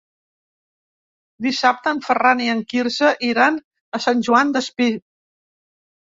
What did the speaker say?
Dissabte en Ferran i en Quirze iran a Sant Joan Despí.